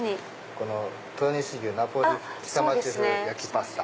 豊西牛のナポリ下町風焼きパスタ。